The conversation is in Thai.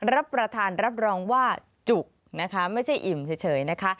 รับประทานรับรองว่าจุกนะคะไม่ใช่อิ่มเฉยนะคะ